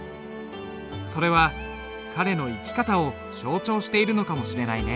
それは彼の生き方を象徴しているのかもしれないね。